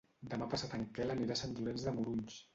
Demà passat en Quel anirà a Sant Llorenç de Morunys.